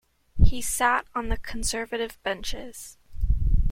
He sat on the Conservative benches.